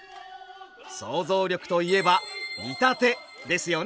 想像力といえば「見立て」ですよね